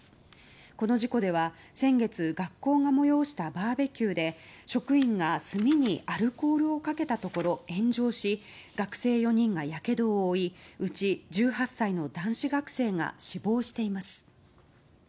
この事故では、先月学校が催したバーベキューで職員が炭にアルコールをかけたところ炎上し学生４人がやけどを負いうち１８歳の男子学生が死亡しています。